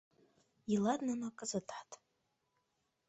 Илат нуно кызытат